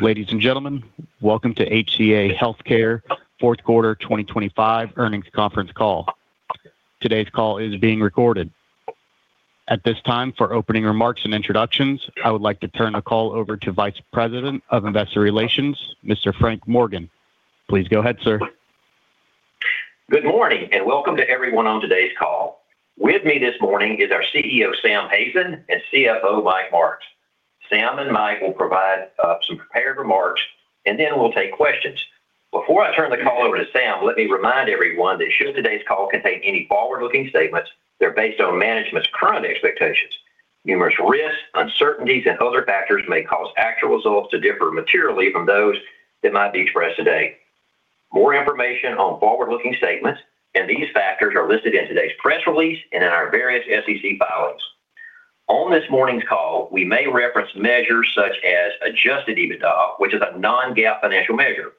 Ladies and gentlemen, welcome to HCA Healthcare Fourth Quarter 2025 Earnings Conference Call. Today's call is being recorded. At this time, for opening remarks and introductions, I would like to turn the call over to Vice President of Investor Relations, Mr. Frank Morgan. Please go ahead, sir. Good morning, and welcome to everyone on today's call. With me this morning is our CEO, Sam Hazen, and CFO, Mike Marks. Sam and Mike will provide some prepared remarks, and then we'll take questions. Before I turn the call over to Sam, let me remind everyone that should today's call contain any forward-looking statements, they're based on management's current expectations. Numerous risks, uncertainties, and other factors may cause actual results to differ materially from those that might be expressed today. More information on forward-looking statements and these factors are listed in today's press release and in our various SEC filings. On this morning's call, we may reference measures such as Adjusted EBITDA, which is a non-GAAP financial measure.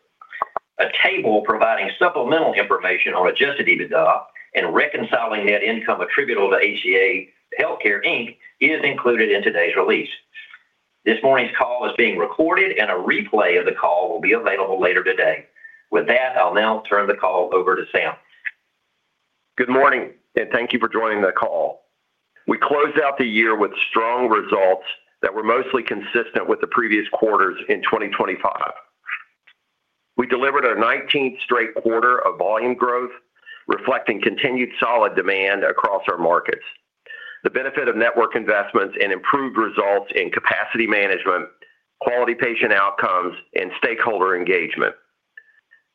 A table providing supplemental information on Adjusted EBITDA and reconciling net income attributable to HCA Healthcare, Inc., is included in today's release. This morning's call is being recorded, and a replay of the call will be available later today. With that, I'll now turn the call over to Sam. Good morning, and thank you for joining the call. We closed out the year with strong results that were mostly consistent with the previous quarters in 2025. We delivered our 19th straight quarter of volume growth, reflecting continued solid demand across our markets. The benefit of network investments and improved results in capacity management, quality patient outcomes, and stakeholder engagement.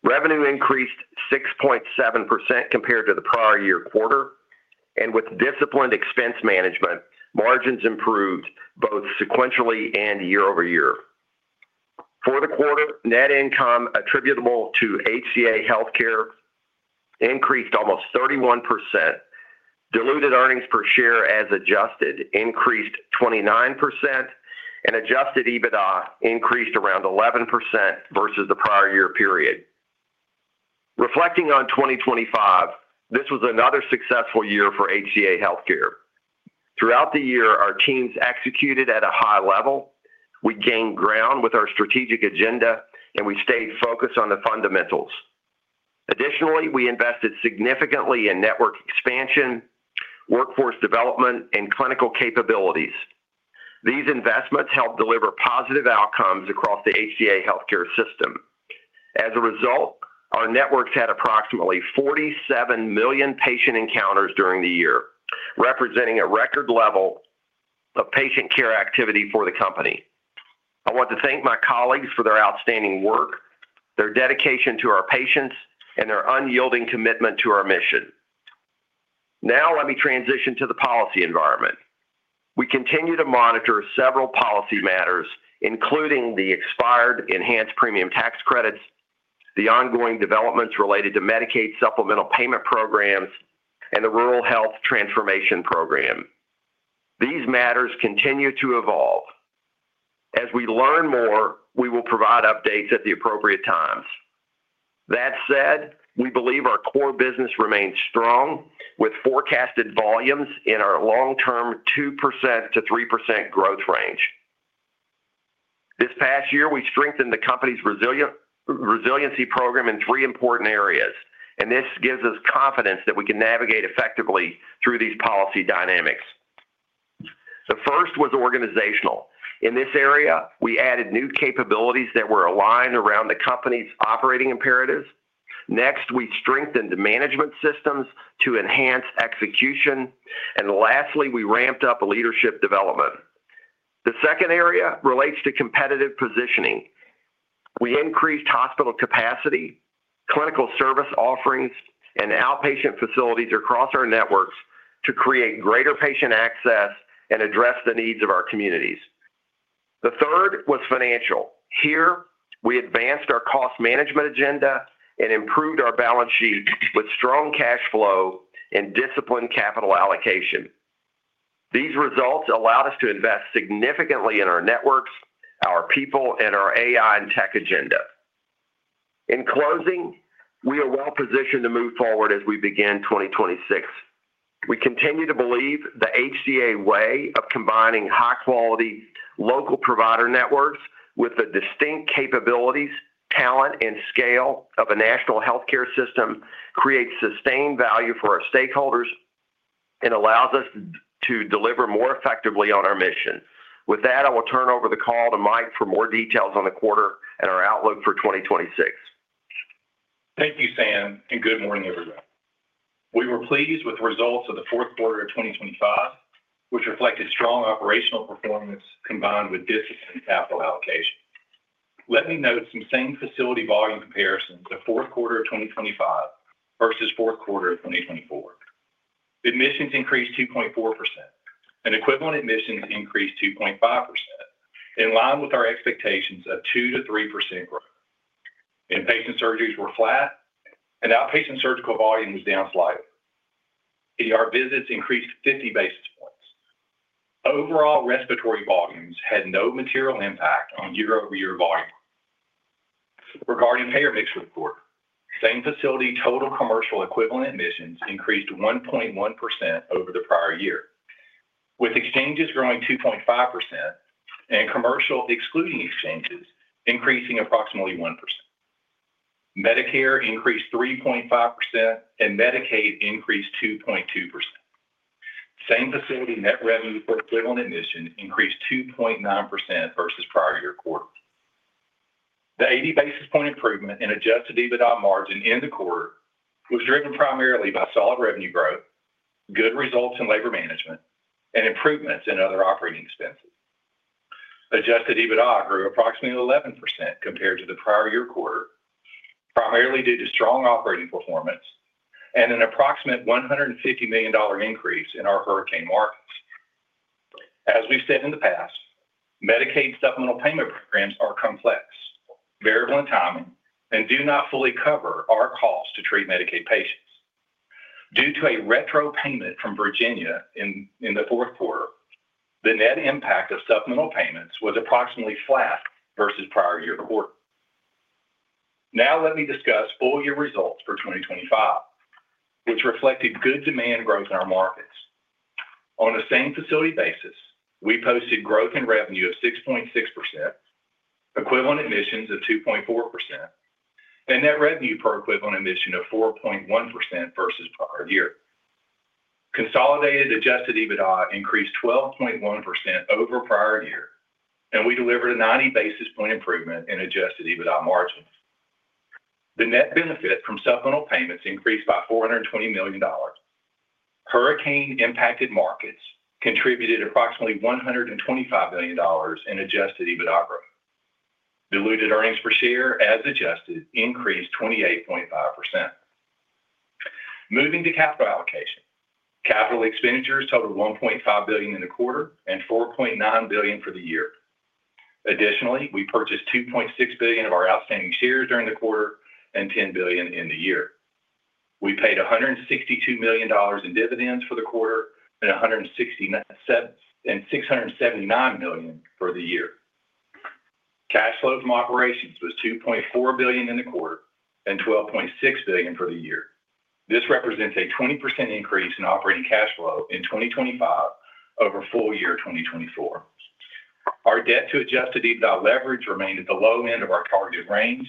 Revenue increased 6.7% compared to the prior year quarter, and with disciplined expense management, margins improved both sequentially and year over year. For the quarter, net income attributable to HCA Healthcare increased almost 31%. Diluted earnings per share as adjusted, increased 29%, and adjusted EBITDA increased around 11% versus the prior year period. Reflecting on 2025, this was another successful year for HCA Healthcare. Throughout the year, our teams executed at a high level, we gained ground with our strategic agenda, and we stayed focused on the fundamentals. Additionally, we invested significantly in network expansion, workforce development, and clinical capabilities. These investments helped deliver positive outcomes across the HCA Healthcare system. As a result, our networks had approximately 47 million patient encounters during the year, representing a record level of patient care activity for the company. I want to thank my colleagues for their outstanding work, their dedication to our patients, and their unyielding commitment to our mission. Now, let me transition to the policy environment. We continue to monitor several policy matters, including the expired enhanced premium tax credits, the ongoing developments related to Medicaid supplemental payment programs, and the Rural Health Transformation Program. These matters continue to evolve. As we learn more, we will provide updates at the appropriate times. That said, we believe our core business remains strong, with forecasted volumes in our long-term 2%-3% growth range. This past year, we strengthened the company's Resiliency Program in three important areas, and this gives us confidence that we can navigate effectively through these policy dynamics. The first was organizational. In this area, we added new capabilities that were aligned around the company's operating imperatives. Next, we strengthened the management systems to enhance execution. And lastly, we ramped up leadership development. The second area relates to competitive positioning. We increased hospital capacity, clinical service offerings, and outpatient facilities across our networks to create greater patient access and address the needs of our communities. The third was financial. Here, we advanced our cost management agenda and improved our balance sheet with strong cash flow and disciplined capital allocation. These results allowed us to invest significantly in our networks, our people, and our AI and tech agenda. In closing, we are well positioned to move forward as we begin 2026. We continue to believe the HCA Way of combining high-quality, local provider networks with the distinct capabilities, talent, and scale of a national healthcare system, creates sustained value for our stakeholders and allows us to deliver more effectively on our mission. With that, I will turn over the call to Mike for more details on the quarter and our outlook for 2026. Thank you, Sam, and good morning, everyone. We were pleased with the results of the fourth quarter of 2025, which reflected strong operational performance combined with disciplined capital allocation. Let me note some same-facility volume comparisons to fourth quarter of 2025 versus fourth quarter of 2024. Admissions increased 2.4%, and equivalent admissions increased 2.5%, in line with our expectations of 2%-3% growth. Inpatient surgeries were flat, and outpatient surgical volume was down slightly. ER visits increased 50 basis points. Overall, respiratory volumes had no material impact on year-over-year volume. Regarding payer mix report, same facility total commercial equivalent admissions increased 1.1% over the prior year, with exchanges growing 2.5% and commercial, excluding exchanges, increasing approximately 1%. Medicare increased 3.5%, and Medicaid increased 2.2%. Same-facility net revenue per equivalent admission increased 2.9% versus prior year quarter. The 80 basis point improvement in Adjusted EBITDA margin in the quarter was driven primarily by solid revenue growth, good results in labor management, and improvements in other operating expenses. Adjusted EBITDA grew approximately 11% compared to the prior year quarter, primarily due to strong operating performance and an approximate $150 million increase in our hurricane markets. As we've said in the past, Medicaid supplemental payment programs are complex, vary on timing, and do not fully cover our cost to treat Medicaid patients. Due to a retro payment from Virginia in the fourth quarter, the net impact of supplemental payments was approximately flat versus prior year quarter. Now, let me discuss full year results for 2025, which reflected good demand growth in our markets. On the same facility basis, we posted growth in revenue of 6.6%, equivalent admissions of 2.4%, and net revenue per equivalent admission of 4.1% versus prior year. Consolidated Adjusted EBITDA increased 12.1% over prior year, and we delivered a 90 basis point improvement in Adjusted EBITDA margins. The net benefit from supplemental payments increased by $420 million. Hurricane-impacted markets contributed approximately $125 million in Adjusted EBITDA growth. Diluted earnings per share, as adjusted, increased 28.5%. Moving to capital allocation. Capital expenditures totaled $1.5 billion in the quarter and $4.9 billion for the year. Additionally, we purchased $2.6 billion of our outstanding shares during the quarter and $10 billion in the year. We paid $162 million in dividends for the quarter and $679 million for the year. Cash flow from operations was $2.4 billion in the quarter and $12.6 billion for the year. This represents a 20% increase in operating cash flow in 2025 over full year 2024. Our debt to Adjusted EBITDA leverage remained at the low end of our targeted range.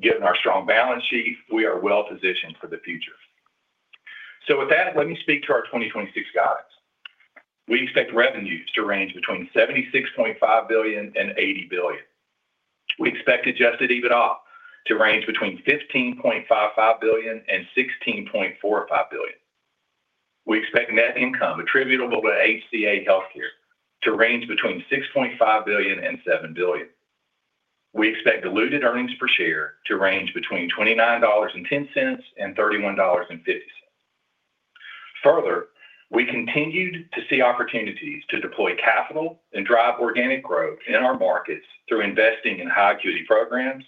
Given our strong balance sheet, we are well-positioned for the future. So with that, let me speak to our 2026 guidance. We expect revenues to range between $76.5 billion and $80 billion. We expect Adjusted EBITDA to range between $15.55 billion and $16.45 billion. We expect net income attributable to HCA Healthcare to range between $6.5 billion and $7 billion. We expect diluted earnings per share to range between $29.10 and $31.50. Further, we continued to see opportunities to deploy capital and drive organic growth in our markets through investing in high acuity programs,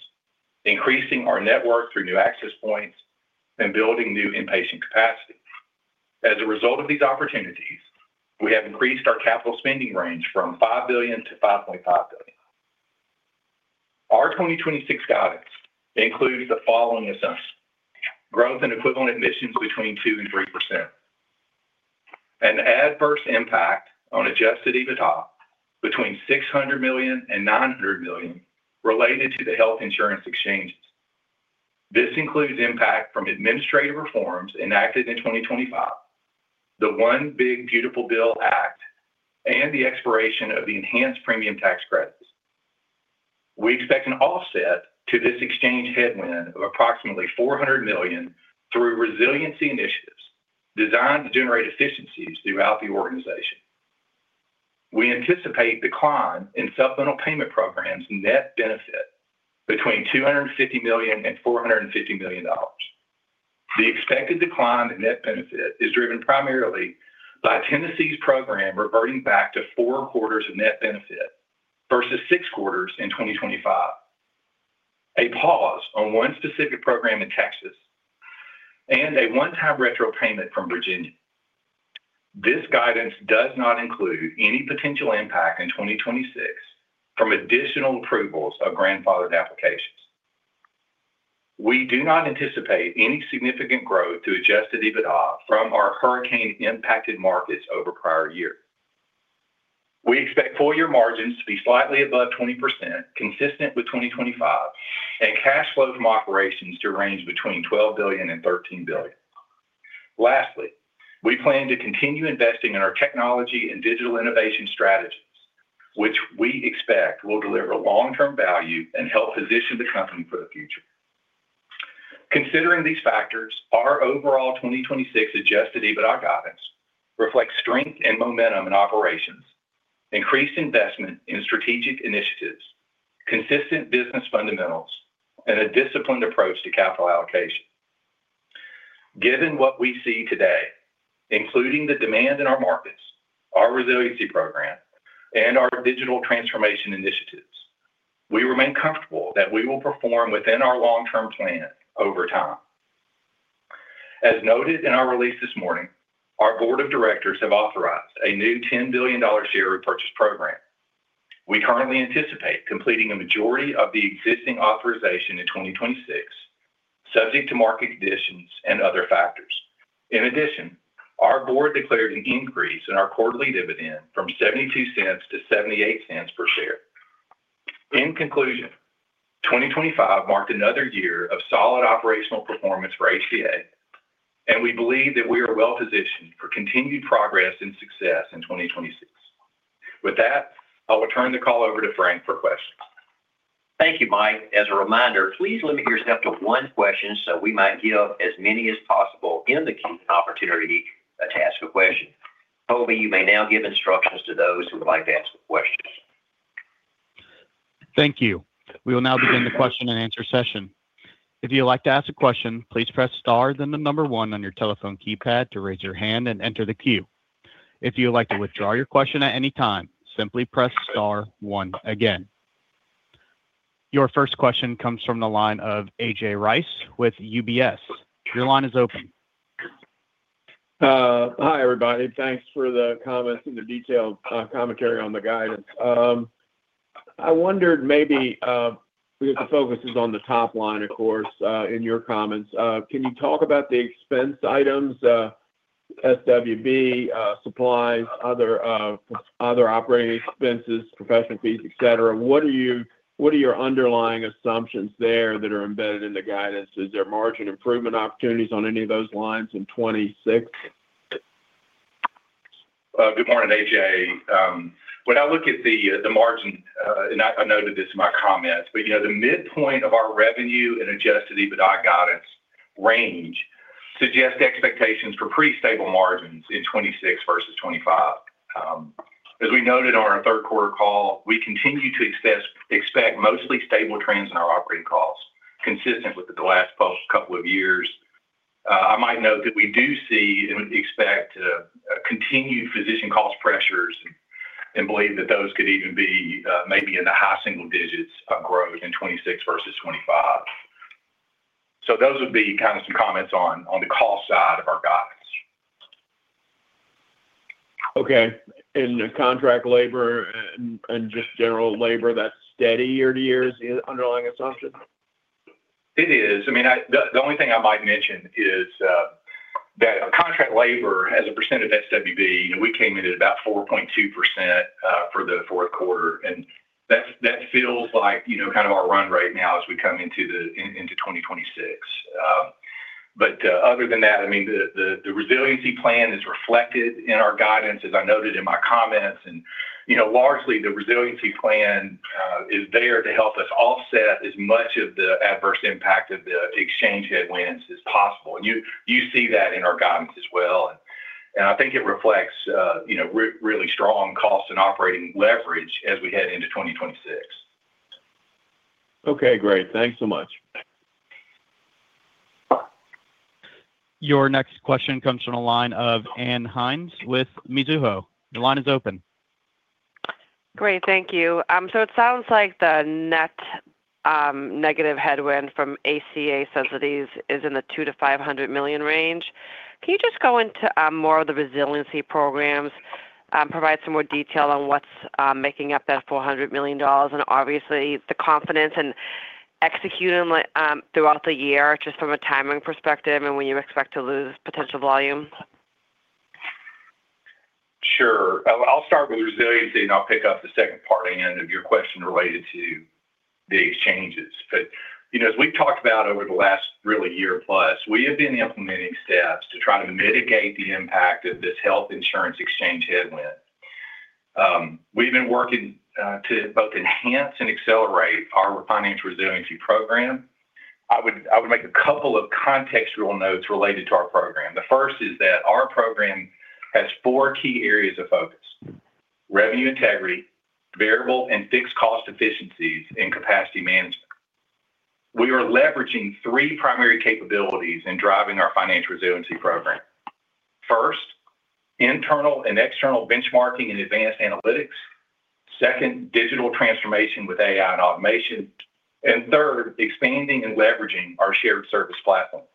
increasing our network through new access points, and building new inpatient capacity. As a result of these opportunities, we have increased our capital spending range from $5 billion to $5.5 billion. Our 2026 guidance includes the following assumptions: growth in equivalent admissions between 2% and 3%. An adverse impact on adjusted EBITDA between $600 million and $900 million related to the health insurance exchanges. This includes impact from administrative reforms enacted in 2025, the One Big Beautiful Bill Act, and the expiration of the enhanced premium tax credits. We expect an offset to this exchange headwind of approximately $400 million through resiliency initiatives designed to generate efficiencies throughout the organization. We anticipate decline in supplemental payment programs net benefit between $250 million and $450 million. The expected decline in net benefit is driven primarily by Tennessee's program reverting back to four quarters of net benefit versus six quarters in 2025, a pause on one specific program in Texas, and a one-time retro payment from Virginia. This guidance does not include any potential impact in 2026 from additional approvals of grandfathered applications. We do not anticipate any significant growth to adjusted EBITDA from our hurricane-impacted markets over prior year. We expect full year margins to be slightly above 20%, consistent with 2025, and cash flow from operations to range between $12 billion and $13 billion. Lastly, we plan to continue investing in our technology and digital innovation strategies, which we expect will deliver long-term value and help position the company for the future. Considering these factors, our overall 2026 Adjusted EBITDA guidance reflects strength and momentum in operations, increased investment in strategic initiatives, consistent business fundamentals, and a disciplined approach to capital allocation. Given what we see today, including the demand in our markets, our Resiliency Program, and our digital transformation initiatives, we remain comfortable that we will perform within our long-term plan over time. As noted in our release this morning, our board of directors have authorized a new $10 billion share repurchase program. We currently anticipate completing a majority of the existing authorization in 2026, subject to market conditions and other factors. In addition, our board declared an increase in our quarterly dividend from $0.72 to $0.78 per share. In conclusion, 2025 marked another year of solid operational performance for HCA, and we believe that we are well-positioned for continued progress and success in 2026. With that, I will turn the call over to Frank for questions. Thank you, Mike. As a reminder, please limit yourself to one question, so we might get as many as possible in the opportunity to ask a question. Toby, you may now give instructions to those who would like to ask questions. Thank you. We will now begin the question and answer session. If you'd like to ask a question, please press Star, then the number one on your telephone keypad to raise your hand and enter the queue. If you would like to withdraw your question at any time, simply press Star one again. Your first question comes from the line of AJ Rice with UBS. Your line is open. Hi, everybody. Thanks for the comments and the detailed commentary on the guidance. I wondered maybe, because the focus is on the top line, of course, in your comments. Can you talk about the expense items, SWB, supplies, other, other operating expenses, professional fees, et cetera? What are your underlying assumptions there that are embedded in the guidance? Is there margin improvement opportunities on any of those lines in 2026? Good morning, AJ. When I look at the margin, and I noted this in my comments, but, you know, the midpoint of our revenue and Adjusted EBITDA guidance range suggests expectations for pretty stable margins in 2026 versus 2025. As we noted on our third quarter call, we continue to expect mostly stable trends in our operating costs, consistent with the last past couple of years. I might note that we do see and expect continued physician cost pressures, and believe that those could even be maybe in the high single digits of growth in 2026 versus 2025. So those would be kind of some comments on the cost side of our guidance. Okay, and the contract labor and, and just general labor, that's steady year-to-year is the underlying assumption? It is. I mean, the only thing I might mention is that contract labor as a percent of SWB, you know, we came in at about 4.2%, for the fourth quarter, and that's, that feels like, you know, kind of our run right now as we come into 2026. But other than that, I mean, the resiliency plan is reflected in our guidance, as I noted in my comments. And, you know, largely, the resiliency plan is there to help us offset as much of the adverse impact of the exchange headwinds as possible. And you see that in our guidance as well, and I think it reflects, you know, really strong cost and operating leverage as we head into 2026. Okay, great. Thanks so much. Your next question comes from the line of Ann Hynes with Mizuho. Your line is open. Great, thank you. So it sounds like the net, negative headwind from ACA subsidies is in the $200 million-$500 million range. Can you just go into, more of the resiliency programs, provide some more detail on what's, making up that $400 million, and obviously, the confidence and executing, throughout the year, just from a timing perspective, and when you expect to lose potential volume? Sure. I'll start with resiliency, and I'll pick up the second part again of your question related to the exchanges. But, you know, as we've talked about over the last really year plus, we have been implementing steps to try to mitigate the impact of this health insurance exchange headwind. We've been working to both enhance and accelerate our financial resiliency program. I would make a couple of contextual notes related to our program. The first is that our program has four key areas of focus: revenue integrity, variable and fixed cost efficiencies, and capacity management. We are leveraging three primary capabilities in driving our financial resiliency program. First, internal and external benchmarking and advanced analytics. Second, digital transformation with AI and automation, and third, expanding and leveraging our shared service platforms.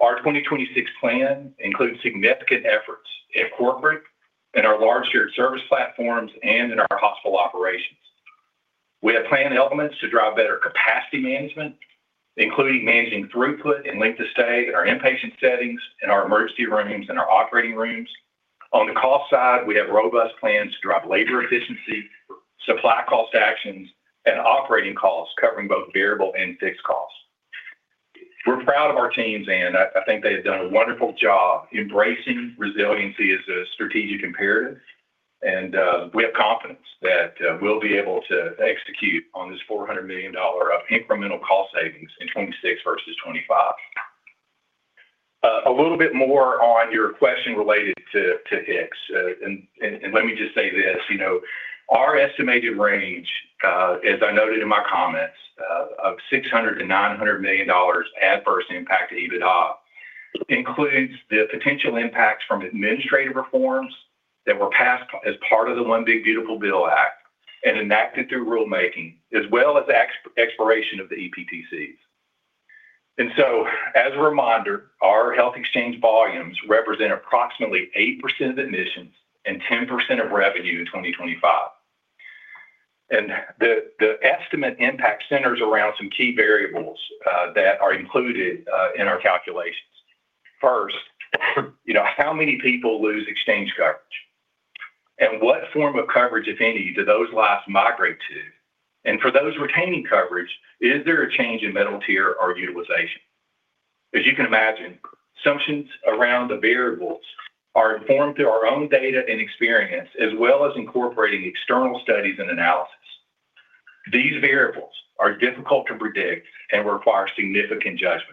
Our 2026 plan includes significant efforts in corporate, in our large shared service platforms, and in our hospital operations. We have plan elements to drive better capacity management, including managing throughput and length of stay in our inpatient settings, in our emergency rooms, and our operating rooms. On the cost side, we have robust plans to drive labor efficiency, supply cost actions, and operating costs, covering both variable and fixed costs. We're proud of our teams, and I, I think they have done a wonderful job embracing resiliency as a strategic imperative, and, we have confidence that, we'll be able to execute on this $400 million of incremental cost savings in 2026 versus 2025. A little bit more on your question related to HIX, and let me just say this, you know, our estimated range, as I noted in my comments, of $600 million-$900 million adverse impact to EBITDA, includes the potential impacts from administrative reforms that were passed as part of the One Big Beautiful Bill Act and enacted through rulemaking, as well as the expiration of the EPTCs. And so, as a reminder, our health exchange volumes represent approximately 8% of admissions and 10% of revenue in 2025. And the estimate impact centers around some key variables that are included in our calculations. First, you know, how many people lose exchange coverage? And what form of coverage, if any, do those lives migrate to? For those retaining coverage, is there a change in metal tier or utilization? As you can imagine, assumptions around the variables are informed through our own data and experience, as well as incorporating external studies and analysis. These variables are difficult to predict and require significant judgments.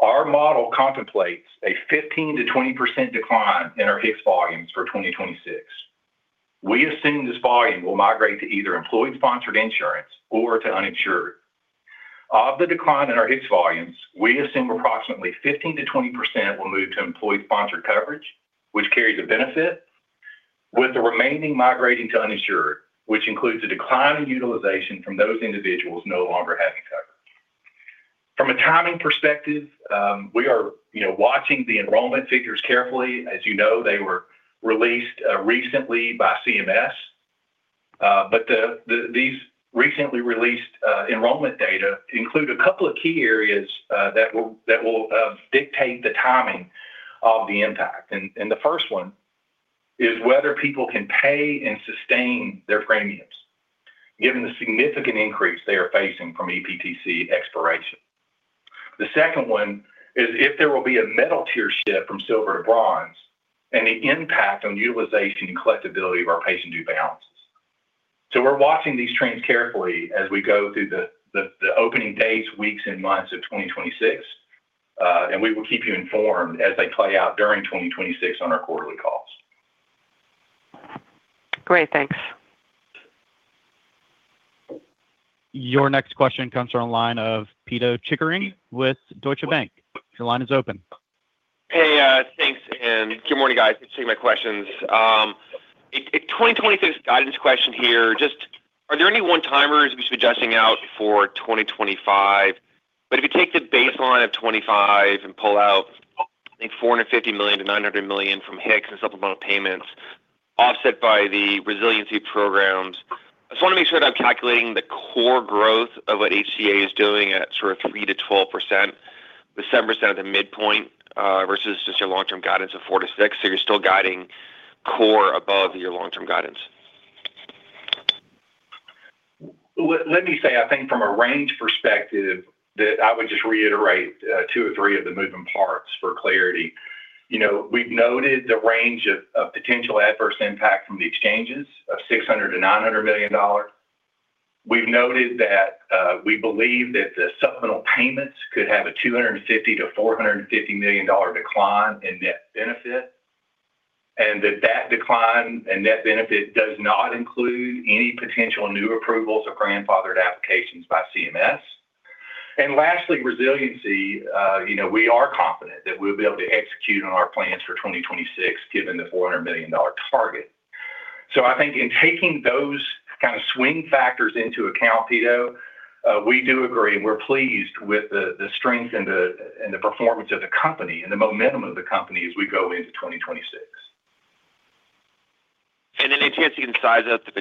Our model contemplates a 15%-20% decline in our HIX volumes for 2026. We assume this volume will migrate to either employer-sponsored insurance or to uninsured. Of the decline in our HIX volumes, we assume approximately 15%-20% will move to employer-sponsored coverage, which carries a benefit, with the remaining migrating to uninsured, which includes a decline in utilization from those individuals no longer having coverage. From a timing perspective, we are, you know, watching the enrollment figures carefully. As you know, they were released recently by CMS, but these recently released enrollment data include a couple of key areas that will dictate the timing of the impact. The first one is whether people can pay and sustain their premiums, given the significant increase they are facing from EPTC expiration. The second one is if there will be a metal tier shift from Silver to Bronze, and the impact on utilization and collectibility of our patient new balances. We're watching these trends carefully as we go through the opening days, weeks, and months of 2026, and we will keep you informed as they play out during 2026 on our quarterly calls. Great, thanks. Your next question comes from the line of Pito Chickering with Deutsche Bank. Your line is open. Hey, thanks, and good morning, guys. Thanks for taking my questions. A 2026 guidance question here, just are there any one-timers we should be adjusting out for 2025? But if you take the baseline of 25 and pull out, I think, $450 million-$900 million from HIX and supplemental payments, offset by the resiliency programs, I just wanna make sure that I'm calculating the core growth of what HCA is doing at sort of 3%-12%, with 7% at the midpoint, versus just your long-term guidance of 4%-6%. So you're still guiding core above your long-term guidance? Let me say, I think from a range perspective, that I would just reiterate two or three of the moving parts for clarity. You know, we've noted the range of potential adverse impact from the exchanges of $600 million-$900 million. We've noted that we believe that the supplemental payments could have a $250 million-$450 million decline in net benefit, and that decline in net benefit does not include any potential new approvals or grandfathered applications by CMS. Lastly, resiliency, you know, we are confident that we'll be able to execute on our plans for 2026, given the $400 million target. I think in taking those kind of swing factors into account, Pito, we do agree, and we're pleased with the strength and the performance of the company, and the momentum of the company as we go into 2026. Any chance you can size up the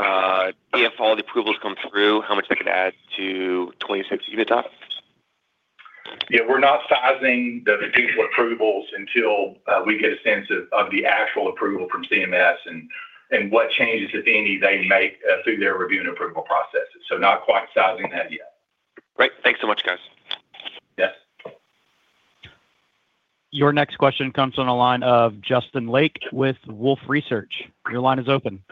potential, if all the approvals come through, how much they could add to 2026 unit times? Yeah, we're not sizing the potential approvals until we get a sense of the actual approval from CMS, and what changes, if any, they make through their review and approval processes. So not quite sizing that yet. Great. Thanks so much, guys. Yes. Your next question comes on a line of Justin Lake with Wolfe Research. Your line is open.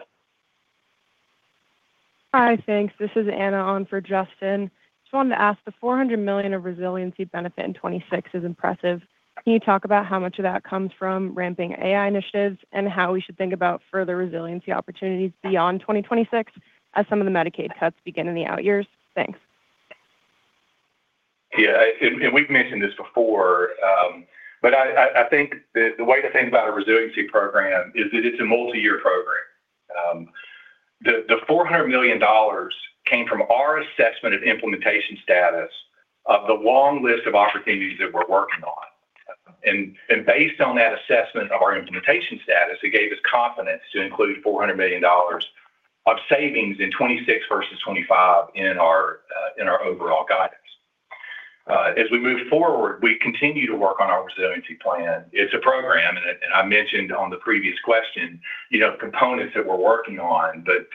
Hi, thanks. This is Anna on for Justin. Just wanted to ask, the $400 million of resiliency benefit in 2026 is impressive. Can you talk about how much of that comes from ramping AI initiatives, and how we should think about further resiliency opportunities beyond 2026, as some of the Medicaid cuts begin in the out years? Thanks. Yeah, we've mentioned this before, but I think the way to think about the Resiliency Program is that it's a multi-year program. The $400 million came from our assessment of implementation status of the long list of opportunities that we're working on. Based on that assessment of our implementation status, it gave us confidence to include $400 million of savings in 2026 versus 2025 in our overall guidance. As we move forward, we continue to work on our resiliency plan. It's a program, and I mentioned on the previous question, you know, components that we're working on. But,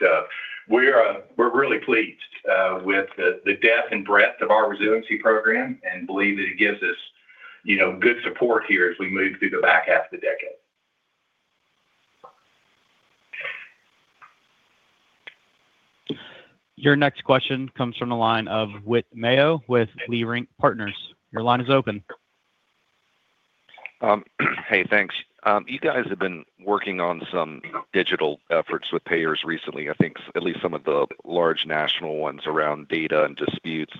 we're really pleased with the depth and breadth of our Resiliency Program and believe that it gives us, you know, good support here as we move through the back half of the decade. Your next question comes from the line of Whit Mayo with Leerink Partners. Your line is open. Hey, thanks. You guys have been working on some digital efforts with payers recently, I think at least some of the large national ones around data and disputes....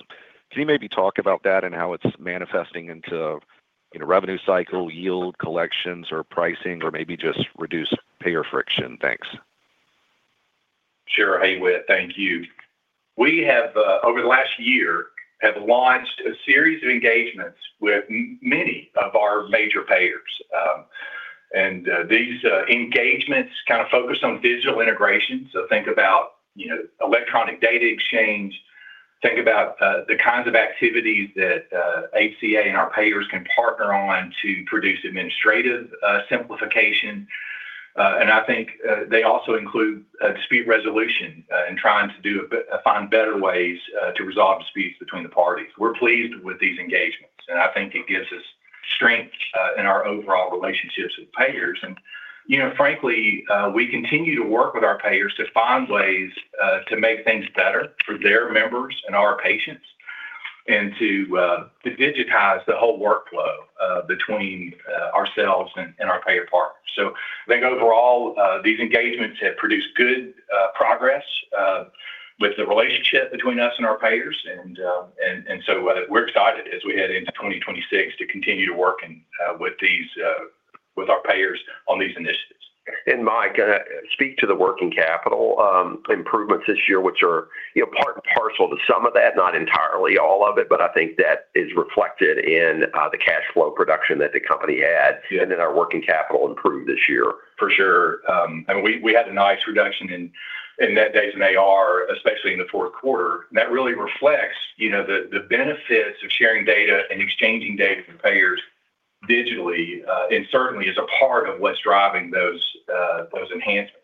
Can you maybe talk about that and how it's manifesting into, you know, revenue cycle, yield collections or pricing, or maybe just reduce payer friction? Thanks. Sure, Hey Whit, thank you. We have, over the last year, have launched a series of engagements with many of our major payers. And, these engagements kind of focus on digital integration. So think about, you know, electronic data exchange, think about, the kinds of activities that, HCA and our payers can partner on to produce administrative, simplification. And I think, they also include, dispute resolution, in trying to find better ways, to resolve disputes between the parties. We're pleased with these engagements, and I think it gives us strength, in our overall relationships with payers. And, you know, frankly, we continue to work with our payers to find ways, to make things better for their members and our patients, and to, to digitize the whole workflow, between, ourselves and, our payer partners. So I think overall, these engagements have produced good, progress, with the relationship between us and our payers. And, and so, we're excited as we head into 2026 to continue to work and, with these, with our payers on these initiatives. And Mike, speak to the working capital improvements this year, which are, you know, part and parcel to some of that, not entirely all of it, but I think that is reflected in the cash flow production that the company had, and then our working capital improved this year. For sure. And we had a nice reduction in net days in AR, especially in the fourth quarter. That really reflects, you know, the benefits of sharing data and exchanging data with payers digitally, and certainly is a part of what's driving those enhancements.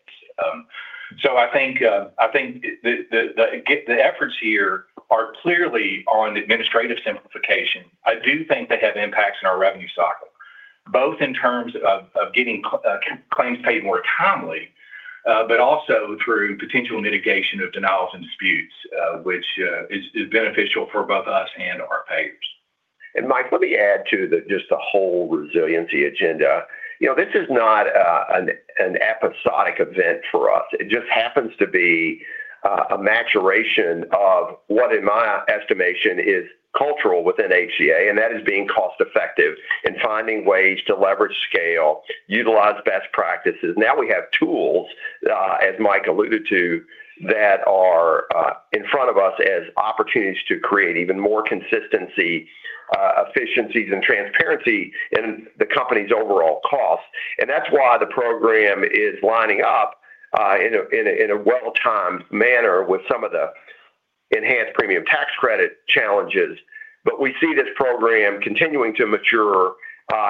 So I think the efforts here are clearly on administrative simplification. I do think they have impacts in our revenue cycle, both in terms of getting claims paid more timely, but also through potential mitigation of denials and disputes, which is beneficial for both us and our payers. And Mike, let me add to the, just the whole resiliency agenda. You know, this is not an episodic event for us. It just happens to be a maturation of what, in my estimation, is cultural within HCA, and that is being cost effective and finding ways to leverage scale, utilize best practices. Now, we have tools, as Mike alluded to, that are in front of us as opportunities to create even more consistency, efficiencies, and transparency in the company's overall costs. And that's why the program is lining up in a well-timed manner with some of the enhanced premium tax credit challenges. But we see this program continuing to mature,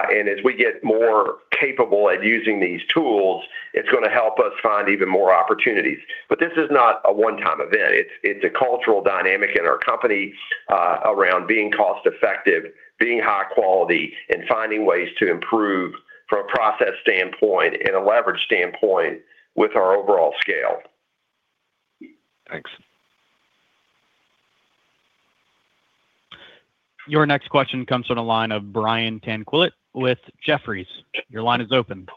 and as we get more capable at using these tools, it's gonna help us find even more opportunities. This is not a one-time event, it's a cultural dynamic in our company around being cost effective, being high quality, and finding ways to improve from a process standpoint and a leverage standpoint with our overall scale. Thanks. Your next question comes from the line of Brian Tanquilut with Jefferies. Your line is open.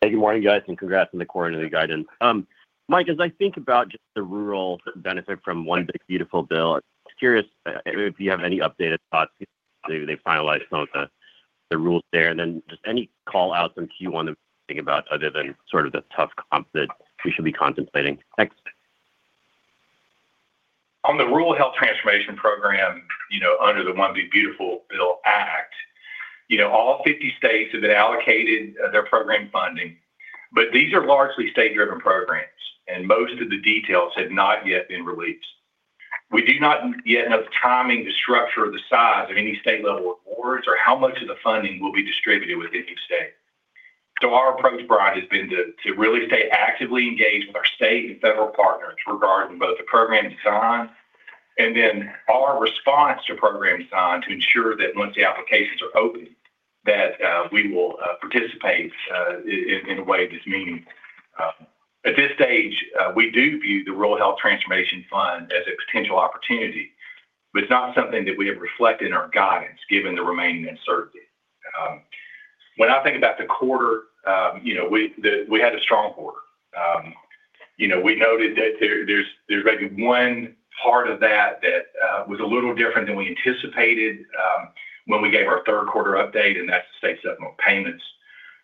Hey, good morning, guys, and congrats on the quarterly guidance. Mike, as I think about just the rural benefit from One Big Beautiful Bill, I'm curious if you have any updated thoughts, maybe they finalized some of the rules there, and then just any call outs in Q1 to think about, other than sort of the tough comp that we should be contemplating. Thanks. On the Rural Health Transformation Program, you know, under the One Big Beautiful Bill Act, you know, all 50 states have allocated their program funding, but these are largely state-driven programs, and most of the details have not yet been released. We do not yet know the timing, the structure, or the size of any state-level awards, or how much of the funding will be distributed within each state. So our approach, Brian, has been to really stay actively engaged with our state and federal partners regarding both the program design and then our response to program design, to ensure that once the applications are open, that we will participate in a way that's meaningful. At this stage, we do view the Rural Health Transformation Fund as a potential opportunity, but it's not something that we have reflected in our guidance, given the remaining uncertainty. When I think about the quarter, you know, we had a strong quarter. You know, we noted that there's maybe one part of that that was a little different than we anticipated, when we gave our third quarter update, and that's the state supplemental payments.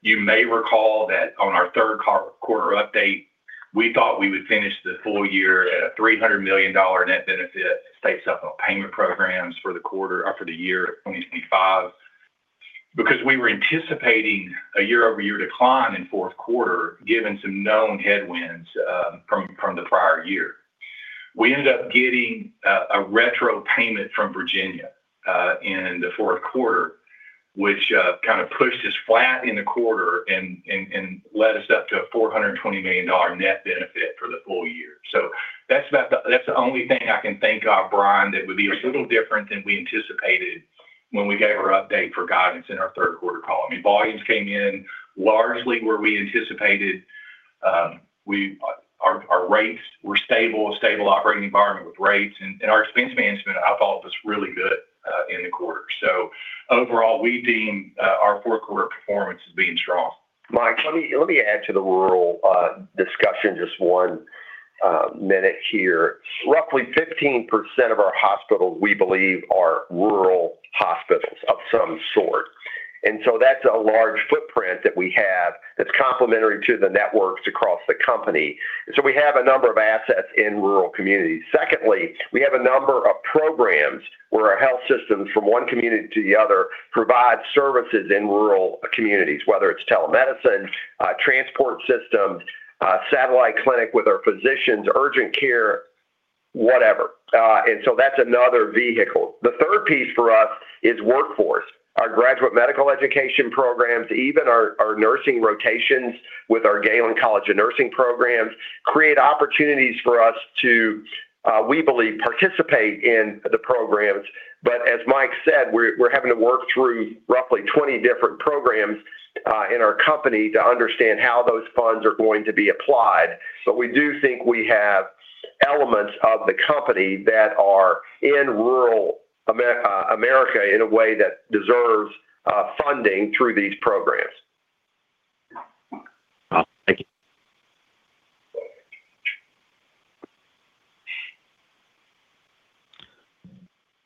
You may recall that on our third quarter update, we thought we would finish the full year at a $300 million net benefit, state supplemental payment programs for the quarter, for the year of 2025, because we were anticipating a year-over-year decline in fourth quarter, given some known headwinds, from the prior year. We ended up getting a retro payment from Virginia in the fourth quarter, which kind of pushed us flat in the quarter and led us up to a $420 million net benefit for the full year. So that's about the that's the only thing I can think of, Brian, that would be a little different than we anticipated when we gave our update for guidance in our third quarter call. I mean, volumes came in largely where we anticipated. Our rates were stable, a stable operating environment with rates, and our expense management, I thought, was really good in the quarter. So overall, we deem our fourth quarter performance as being strong. Mike, let me, let me add to the rural, discussion, just one minute here. Roughly 15% of our hospitals, we believe, are rural hospitals of some sort, and so that's a large footprint that we have that's complementary to the networks across the company. So we have a number of assets in rural communities. Secondly, we have a number of programs where our health systems, from one community to the other, provide services in rural communities, whether it's telemedicine, transport systems, satellite clinic with our physicians, urgent care, whatever, and so that's another vehicle. The third piece for us is workforce. Our graduate medical education programs, even our, our nursing rotations with our Galen College of Nursing programs, create opportunities for us to, we believe, participate in the programs. But as Mike said, we're having to work through roughly 20 different programs in our company to understand how those funds are going to be applied. So we do think we have elements of the company that are in rural America in a way that deserves funding through these programs. Thank you.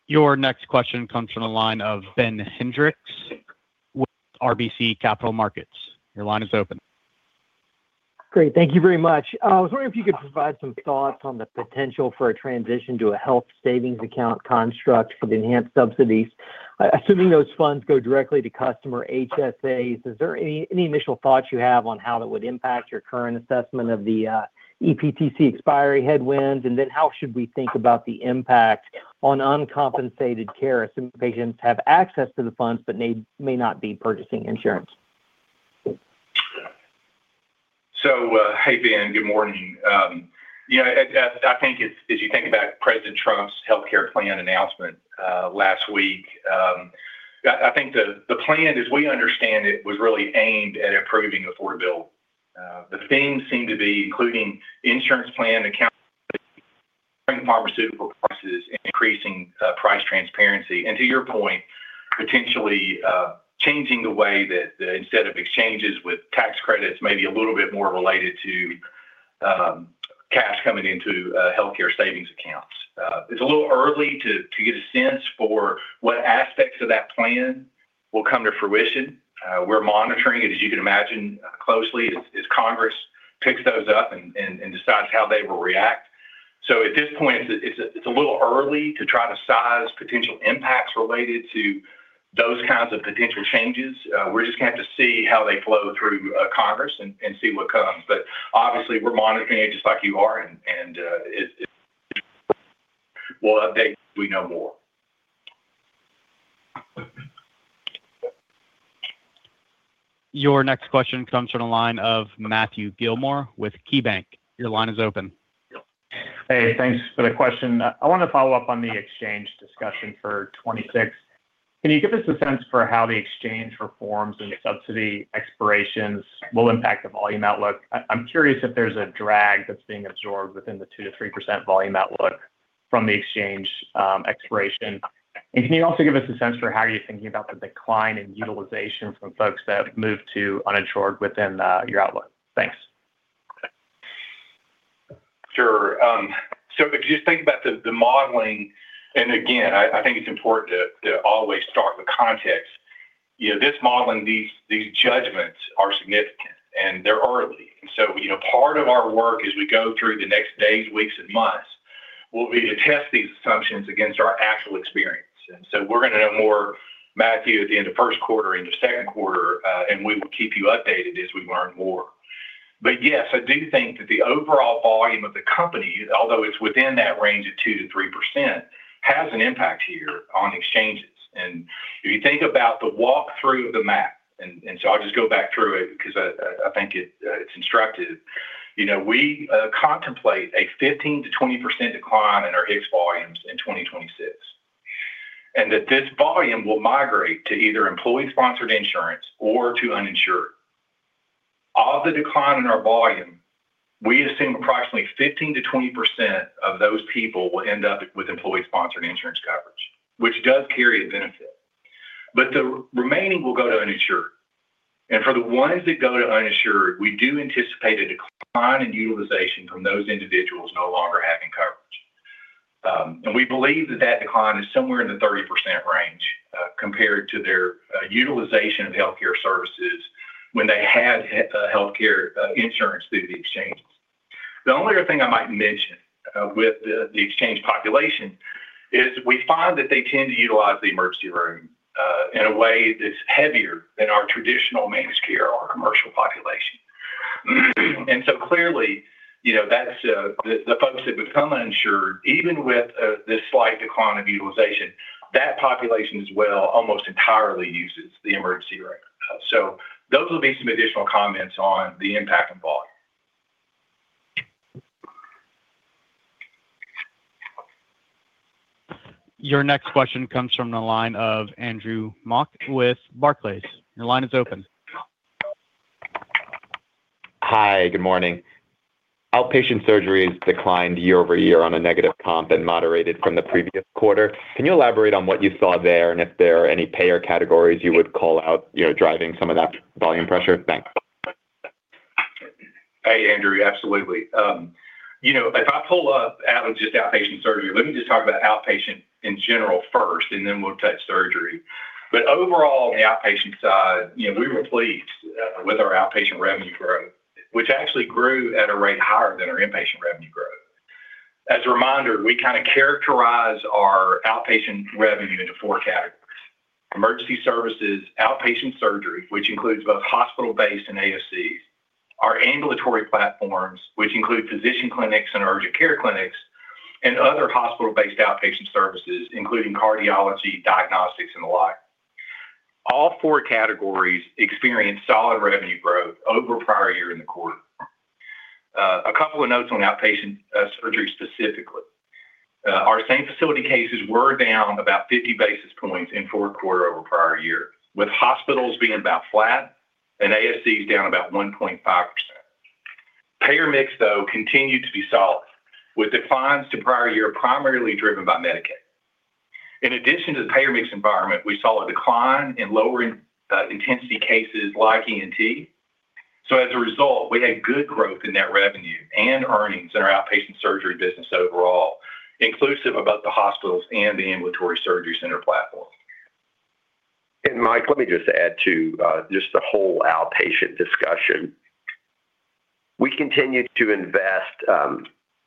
Your next question comes from the line of Ben Hendrix with RBC Capital Markets. Your line is open. Great, thank you very much. I was wondering if you could provide some thoughts on the potential for a transition to a health savings account construct for the enhanced subsidies. Assuming those funds go directly to customer HSAs, is there any, any initial thoughts you have on how that would impact your current assessment of the, EPTC expiry headwinds? And then, how should we think about the impact on uncompensated care, assuming patients have access to the funds, but may, may not be purchasing insurance? So, hey, Ben, good morning. You know, as you think about President Trump's healthcare plan announcement last week, I think the plan, as we understand it, was really aimed at improving affordability. The themes seem to be including insurance plan account, bringing pharmaceutical prices and increasing price transparency. And to your point, potentially changing the way that instead of exchanges with tax credits, maybe a little bit more related to cash coming into healthcare savings accounts. It's a little early to get a sense for what aspects of that plan will come to fruition. We're monitoring it, as you can imagine, closely, as Congress picks those up and decides how they will react. So at this point, it's a little early to try to size potential impacts related to those kinds of potential changes. We're just gonna have to see how they flow through Congress, and we'll update when we know more. Your next question comes from the line of Matthew Gillmor with KeyBanc. Your line is open. Hey, thanks for the question. I want to follow up on the exchange discussion for 2026. Can you give us a sense for how the exchange reforms and the subsidy expirations will impact the volume outlook? I, I'm curious if there's a drag that's being absorbed within the 2%-3% volume outlook from the exchange expiration. And can you also give us a sense for how you're thinking about the decline in utilization from folks that have moved to uninsured within your outlook? Thanks. Sure. So if you just think about the, the modeling, and again, I, I think it's important to, to always start with context. You know, this modeling, these, these judgments are significant, and they're early. So, you know, part of our work as we go through the next days, weeks, and months, will be to test these assumptions against our actual experience. And so we're gonna know more, Matthew, at the end of first quarter, into second quarter, and we will keep you updated as we learn more. But yes, I do think that the overall volume of the company, although it's within that range of 2%-3%, has an impact here on exchanges. And if you think about the walk-through of the math, and, and so I'll just go back through it because I, I, I think it, it's instructive. You know, we contemplate a 15%-20% decline in our HIX volumes in 2026, and that this volume will migrate to either employer-sponsored insurance or to uninsured. Of the decline in our volume, we assume approximately 15%-20% of those people will end up with employer-sponsored insurance coverage, which does carry a benefit, but the remaining will go to uninsured. For the ones that go to uninsured, we do anticipate a decline in utilization from those individuals no longer having coverage. We believe that that decline is somewhere in the 30% range, compared to their utilization of healthcare services when they had healthcare insurance through the exchanges. The only other thing I might mention with the exchange population is, we find that they tend to utilize the emergency room in a way that's heavier than our traditional managed care or commercial population. So clearly, you know, that's the folks that become uninsured, even with this slight decline of utilization, that population as well, almost entirely uses the emergency room. So those will be some additional comments on the impact on volume. Your next question comes from the line of Andrew Mok with Barclays. Your line is open.... Hi, good morning. Outpatient surgery has declined year-over-year on a negative comp and moderated from the previous quarter. Can you elaborate on what you saw there, and if there are any payer categories you would call out, you know, driving some of that volume pressure? Thanks. Hey, Andrew. Absolutely. You know, if I pull up out of just outpatient surgery, let me just talk about outpatient in general first, and then we'll touch surgery. But overall, on the outpatient side, you know, we were pleased with our outpatient revenue growth, which actually grew at a rate higher than our inpatient revenue growth. As a reminder, we kinda characterize our outpatient revenue into four categories: emergency services, outpatient surgery, which includes both hospital-based and ASCs, our ambulatory platforms, which include physician clinics and urgent care clinics, and other hospital-based outpatient services, including cardiology, diagnostics, and the like. All four categories experienced solid revenue growth over prior year in the quarter. A couple of notes on outpatient surgery specifically. Our same facility cases were down about 50 basis points in fourth quarter over prior year, with hospitals being about flat and ASCs down about 1.5%. Payer mix, though, continued to be solid, with declines to prior year, primarily driven by Medicaid. In addition to the payer mix environment, we saw a decline in lower intensity cases like ENT. So as a result, we had good growth in net revenue and earnings in our outpatient surgery business overall, inclusive of both the hospitals and the ambulatory surgery center platform. And Mike, let me just add to just the whole outpatient discussion. We continued to invest,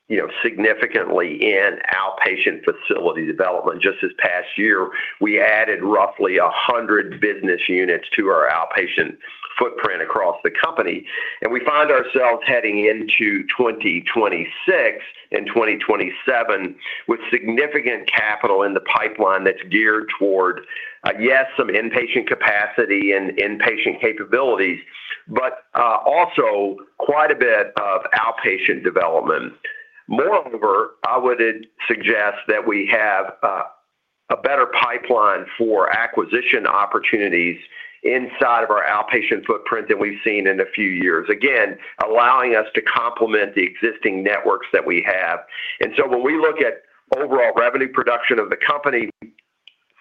you know, significantly in outpatient facility development. Just this past year, we added roughly 100 business units to our outpatient footprint across the company, and we find ourselves heading into 2026 and 2027 with significant capital in the pipeline that's geared toward, yes, some inpatient capacity and inpatient capabilities, but also quite a bit of outpatient development. Moreover, I would suggest that we have a better pipeline for acquisition opportunities inside of our outpatient footprint than we've seen in a few years, again, allowing us to complement the existing networks that we have. And so when we look at overall revenue production of the company,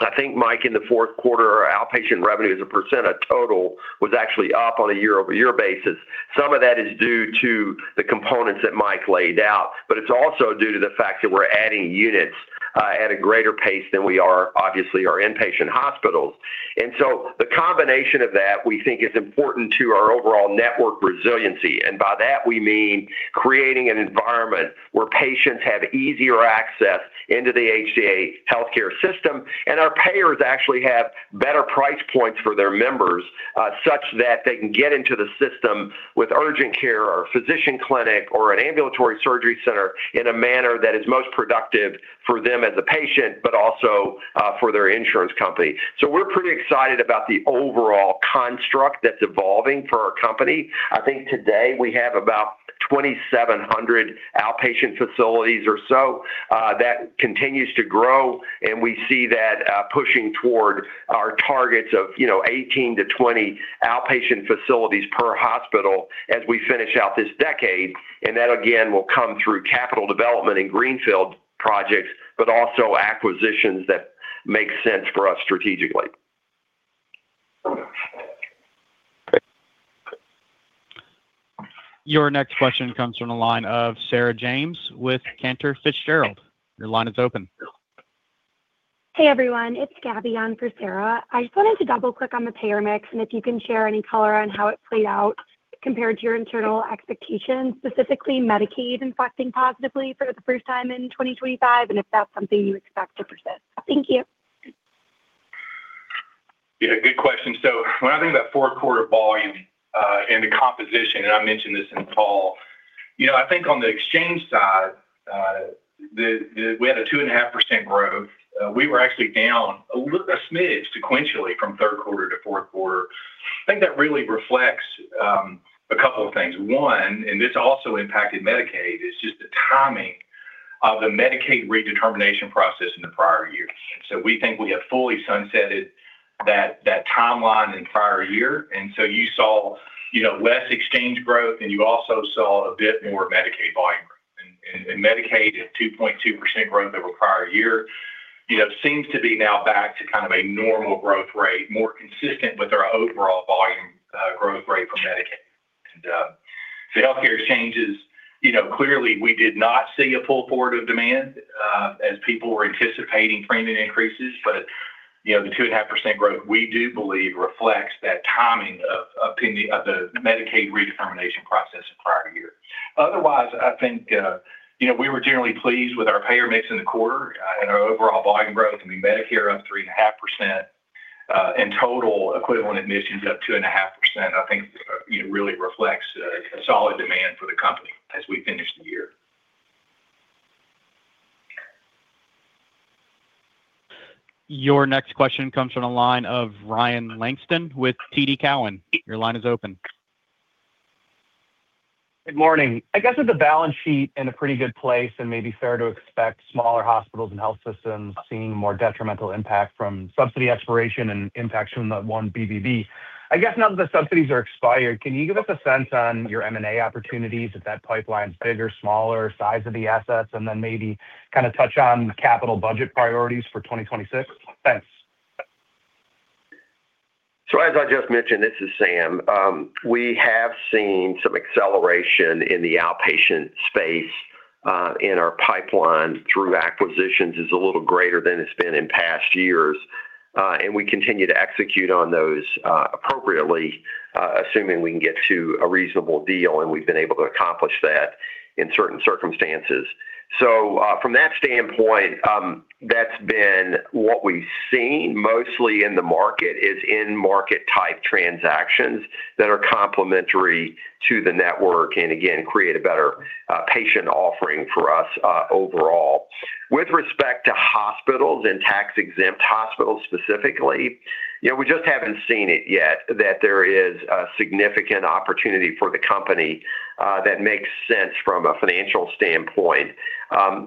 I think, Mike, in the fourth quarter, our outpatient revenue as a percent of total was actually up on a year-over-year basis. Some of that is due to the components that Mike laid out, but it's also due to the fact that we're adding units at a greater pace than we are, obviously, our inpatient hospitals. And so the combination of that, we think, is important to our overall network resiliency, and by that we mean creating an environment where patients have easier access into the HCA Healthcare system. Our payers actually have better price points for their members, such that they can get into the system with urgent care or a physician clinic or an ambulatory surgery center in a manner that is most productive for them as a patient, but also, for their insurance company. So we're pretty excited about the overall construct that's evolving for our company. I think today we have about 2,700 outpatient facilities or so. That continues to grow, and we see that, pushing toward our targets of, you know, 18-20 outpatient facilities per hospital as we finish out this decade. And that, again, will come through capital development and greenfield projects, but also acquisitions that make sense for us strategically. Your next question comes from the line of Sarah James with Cantor Fitzgerald. Your line is open. Hey, everyone, it's Gabby on for Sarah. I just wanted to double-click on the payer mix, and if you can share any color on how it played out compared to your internal expectations, specifically Medicaid impacting positively for the first time in 2025, and if that's something you expect to persist. Thank you. Yeah, good question. So when I think about fourth quarter volume and the composition, and I mentioned this in the fall, you know, I think on the exchange side, we had a 2.5% growth. We were actually down a smidge sequentially from third quarter to fourth quarter. I think that really reflects a couple of things. One, and this also impacted Medicaid, is just the timing of the Medicaid redetermination process in the prior year. So we think we have fully sunsetted that timeline in prior year, and so you saw, you know, less exchange growth, and you also saw a bit more Medicaid volume growth. Medicaid at 2.2% growth over prior year, you know, seems to be now back to kind of a normal growth rate, more consistent with our overall volume growth rate for Medicaid. The healthcare exchanges, you know, clearly we did not see a pull forward of demand as people were anticipating premium increases. But, you know, the 2.5% growth, we do believe, reflects that timing of the Medicaid redetermination process in prior year. Otherwise, I think, you know, we were generally pleased with our payer mix in the quarter and our overall volume growth. I mean, Medicare up 3.5%, and total equivalent admissions up 2.5%, I think, you know, really reflects a solid demand for the company as we finish the year. Your next question comes from the line of Ryan Langston with TD Cowen. Your line is open. Good morning. I guess with the balance sheet in a pretty good place and maybe fair to expect smaller hospitals and health systems seeing more detrimental impact from subsidy expiration and impacts from the One BBB.... I guess now that the subsidies are expired, can you give us a sense on your M&A opportunities, if that pipeline is bigger, smaller, size of the assets, and then maybe kind of touch on capital budget priorities for 2026? Thanks. So as I just mentioned, this is Sam. We have seen some acceleration in the outpatient space. In our pipeline through acquisitions is a little greater than it's been in past years. And we continue to execute on those appropriately, assuming we can get to a reasonable deal, and we've been able to accomplish that in certain circumstances. So, from that standpoint, that's been what we've seen mostly in the market, is in-market type transactions that are complementary to the network and again, create a better patient offering for us overall. With respect to hospitals and tax-exempt hospitals specifically, you know, we just haven't seen it yet, that there is a significant opportunity for the company that makes sense from a financial standpoint.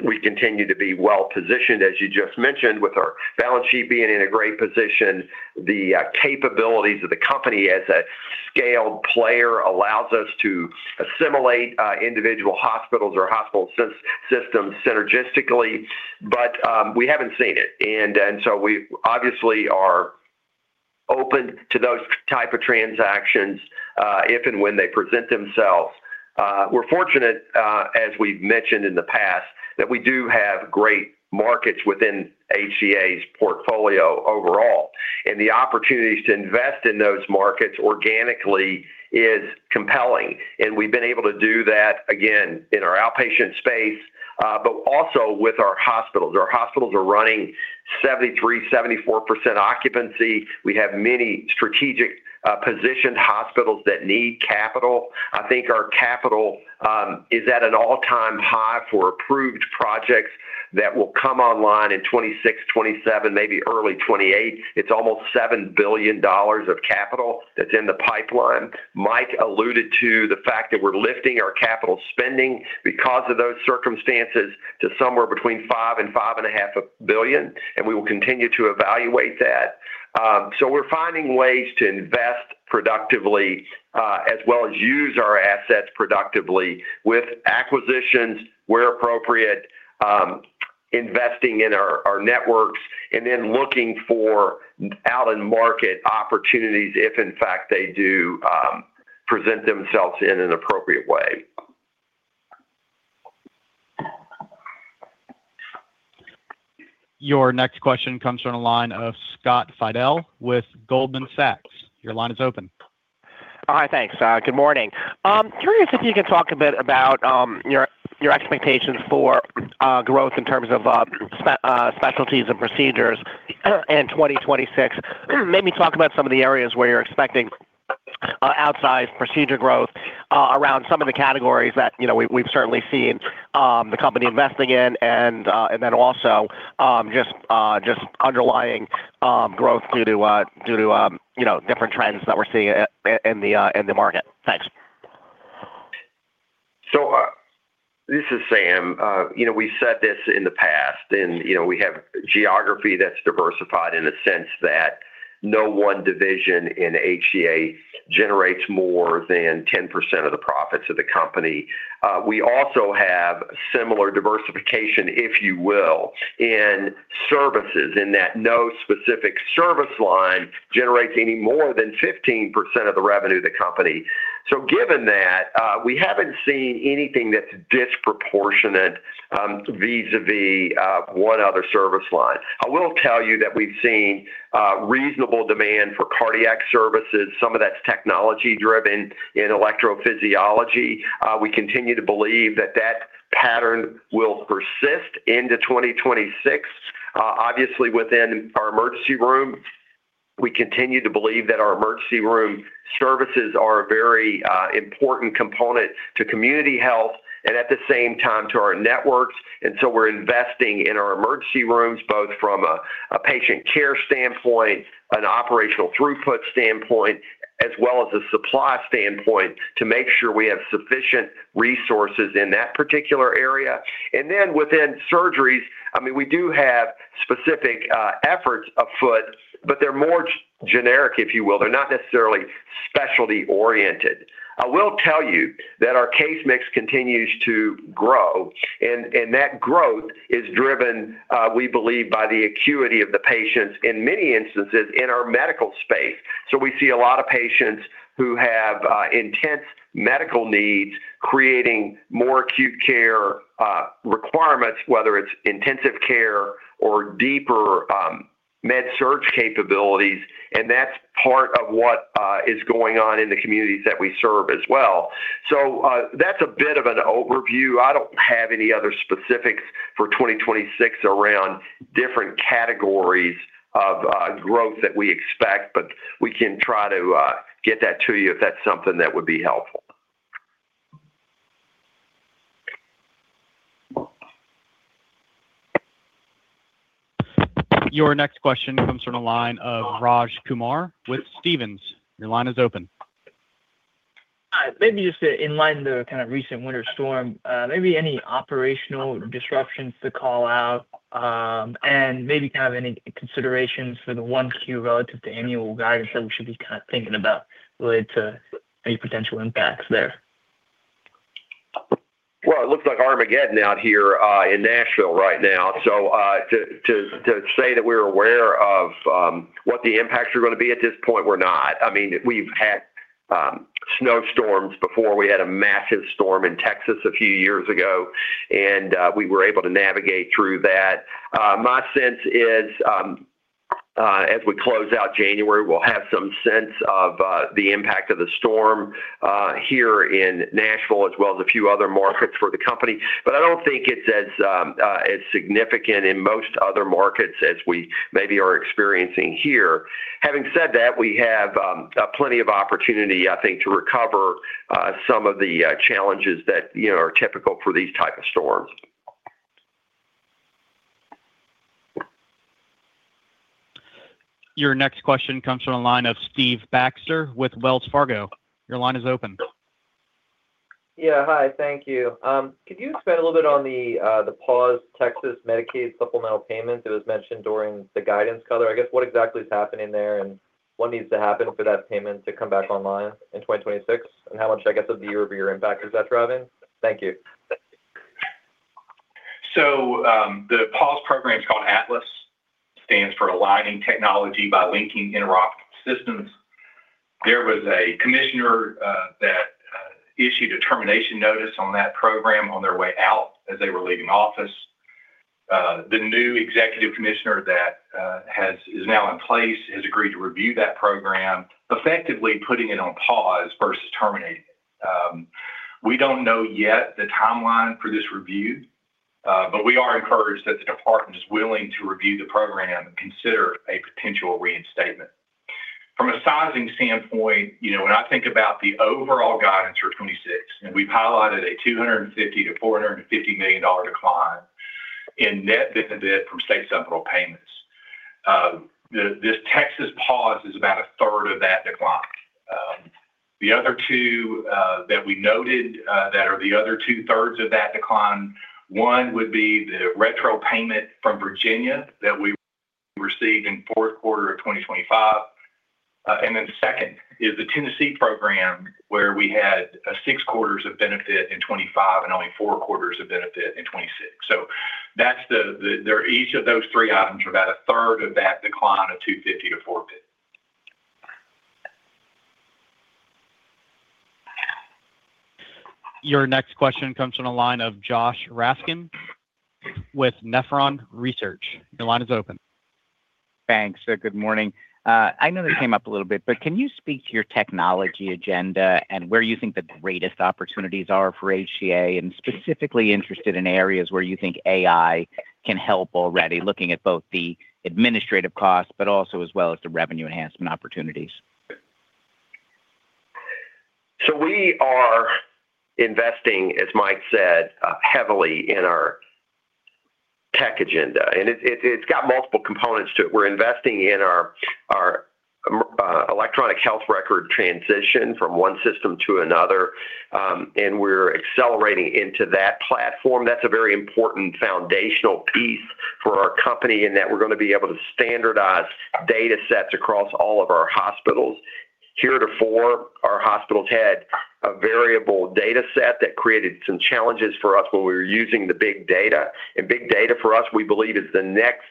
We continue to be well-positioned, as you just mentioned, with our balance sheet being in a great position. The capabilities of the company as a scaled player allows us to assimilate individual hospitals or hospital systems synergistically, but we haven't seen it. And so we obviously are open to those type of transactions, if and when they present themselves. We're fortunate, as we've mentioned in the past, that we do have great markets within HCA's portfolio overall, and the opportunities to invest in those markets organically is compelling. And we've been able to do that, again, in our outpatient space, but also with our hospitals. Our hospitals are running 73%-74% occupancy. We have many strategic positioned hospitals that need capital. I think our capital is at an all-time high for approved projects that will come online in 2026, 2027, maybe early 2028. It's almost $7 billion of capital that's in the pipeline. Mike alluded to the fact that we're lifting our capital spending because of those circumstances, to somewhere between $5-$5.5 billion, and we will continue to evaluate that. So we're finding ways to invest productively, as well as use our assets productively with acquisitions, where appropriate, investing in our networks, and then looking for out-in-market opportunities, if in fact, they do present themselves in an appropriate way. Your next question comes from the line of Scott Fidel with Goldman Sachs. Your line is open. Hi, thanks. Good morning. Curious if you could talk a bit about your expectations for growth in terms of specialties and procedures in 2026. Maybe talk about some of the areas where you're expecting outsized procedure growth around some of the categories that, you know, we, we've certainly seen the company investing in, and then also just underlying growth due to, you know, different trends that we're seeing in the market. Thanks. So, this is Sam. You know, we've said this in the past, and, you know, we have geography that's diversified in the sense that no one division in HCA generates more than 10% of the profits of the company. We also have similar diversification, if you will, in services, in that no specific service line generates any more than 15% of the revenue of the company. So given that, we haven't seen anything that's disproportionate, vis-a-vis, one other service line. I will tell you that we've seen reasonable demand for cardiac services. Some of that's technology-driven in electrophysiology. We continue to believe that that pattern will persist into 2026. Obviously, within our emergency room, we continue to believe that our emergency room services are a very important component to community health and at the same time to our networks. And so we're investing in our emergency rooms, both from a patient care standpoint, an operational throughput standpoint, as well as a supply standpoint, to make sure we have sufficient resources in that particular area. And then within surgeries, I mean, we do have specific efforts afoot, but they're more generic, if you will. They're not necessarily specialty-oriented. I will tell you that our case mix continues to grow, and that growth is driven, we believe, by the acuity of the patients in many instances in our medical space. So we see a lot of patients who have intense medical needs, creating more acute care requirements, whether it's intensive care or deeper med-surg capabilities, and that's part of what is going on in the communities that we serve as well. That's a bit of an overview. I don't have any other specifics for 2026 around different categories of growth that we expect, but we can try to get that to you if that's something that would be helpful. Your next question comes from the line of Raj Kumar with Stephens. Your line is open.... Maybe just in line, the kind of recent winter storm, maybe any operational disruptions to call out, and maybe kind of any considerations for the 1Q relative to annual guidance that we should be kind of thinking about related to any potential impacts there? Well, it looks like Armageddon out here in Nashville right now. So, to say that we're aware of what the impacts are gonna be at this point, we're not. I mean, we've had snowstorms before. We had a massive storm in Texas a few years ago, and we were able to navigate through that. My sense is, as we close out January, we'll have some sense of the impact of the storm here in Nashville, as well as a few other markets for the company. But I don't think it's as significant in most other markets as we maybe are experiencing here. Having said that, we have plenty of opportunity, I think, to recover some of the challenges that, you know, are typical for these type of storms. Your next question comes from the line of Steve Baxter with Wells Fargo. Your line is open. Yeah, hi, thank you. Could you expand a little bit on the pause Texas Medicaid supplemental payments? It was mentioned during the guidance call. I guess, what exactly is happening there, and what needs to happen for that payment to come back online in 2026? And how much, I guess, would be your year-over-year impact? Is that driving? Thank you. So, the pause program is called ATLIS. Stands for Aligning Technology by Linking Interoperable Systems. There was a commissioner that issued a termination notice on that program on their way out as they were leaving office. The new executive commissioner that is now in place has agreed to review that program, effectively putting it on pause versus terminating it. We don't know yet the timeline for this review, but we are encouraged that the department is willing to review the program and consider a potential reinstatement. From a sizing standpoint, you know, when I think about the overall guidance for 2026, and we've highlighted a $250 million-$450 million decline in net benefit from state supplemental payments. This Texas pause is about a third of that decline. The other two that we noted that are the other two-thirds of that decline, one would be the retro payment from Virginia that we received in fourth quarter of 2025. And then the second is the Tennessee program, where we had 6 quarters of benefit in 2025 and only 4 quarters of benefit in 2026. So that's each of those three items are about a third of that decline of $250-$450. Your next question comes from the line of Josh Raskin with Nephron Research. Your line is open. Thanks. Good morning. I know this came up a little bit, but can you speak to your technology agenda and where you think the greatest opportunities are for HCA? And specifically interested in areas where you think AI can help already, looking at both the administrative costs, but also as well as the revenue enhancement opportunities. So we are investing, as Mike said, heavily in our tech agenda, and it, it's got multiple components to it. We're investing in our electronic health record transition from one system to another, and we're accelerating into that platform. That's a very important foundational piece for our company, and that we're gonna be able to standardize data sets across all of our hospitals. Heretofore, our hospitals had a variable data set that created some challenges for us when we were using the big data. And big data, for us, we believe is the next,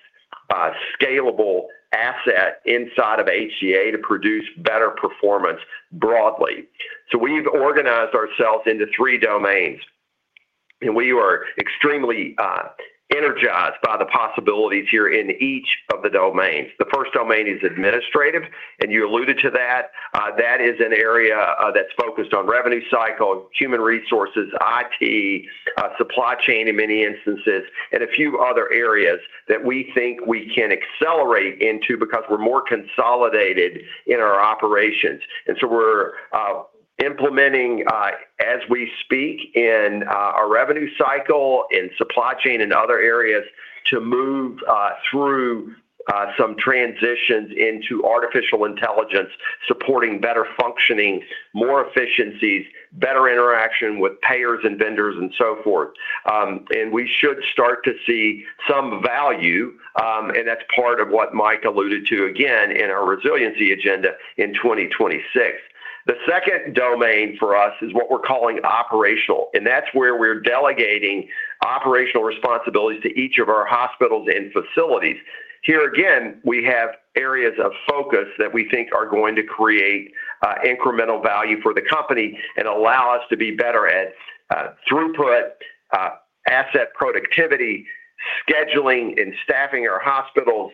scalable asset inside of HCA to produce better performance broadly. So we've organized ourselves into three domains, and we are extremely, energized by the possibilities here in each of the domains. The first domain is administrative, and you alluded to that. That is an area that's focused on revenue cycle, human resources, IT, supply chain in many instances, and a few other areas that we think we can accelerate into because we're more consolidated in our operations. And so we're implementing, as we speak, in our revenue cycle, in supply chain and other areas, to move through some transitions into artificial intelligence, supporting better functioning, more efficiencies, better interaction with payers and vendors, and so forth. And we should start to see some value, and that's part of what Mike alluded to, again, in our resiliency agenda in 2026. The second domain for us is what we're calling operational, and that's where we're delegating operational responsibilities to each of our hospitals and facilities. Here again, we have areas of focus that we think are going to create incremental value for the company and allow us to be better at throughput, asset productivity, scheduling and staffing our hospitals,